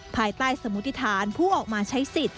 ภายใต้สมุติฐานผู้ออกมาใช้สิทธิ์